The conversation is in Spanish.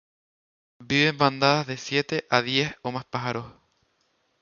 Vive en bandadas de siete a diez o más pájaros.